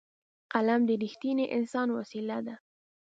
قلم د رښتیني انسان وسېله ده